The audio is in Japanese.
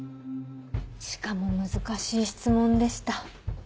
しかも難しい質問でした。